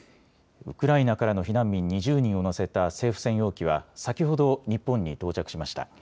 ウクライナからの避難民２０人を乗せた政府専用機は先ほど日本に到着しました。